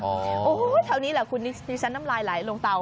โอ้โหเท่านี้แหละคุณดิฉันน้ำลายไหลลงเตา